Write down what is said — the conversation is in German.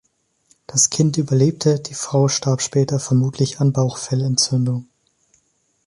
Das Kind überlebte, die Frau starb später vermutlich an Bauchfellentzündung.